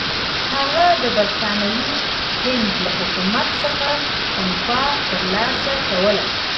هغه د برټانوي هند له حکومت څخه تنخوا ترلاسه کوله.